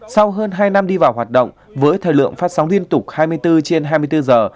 sau hơn hai năm đi vào hoạt động với thời lượng phát sóng liên tục hai mươi bốn trên hai mươi bốn giờ